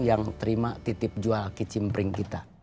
yang terima titip jual kicimpring kita